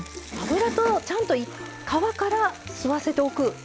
油とちゃんと皮から吸わせておく。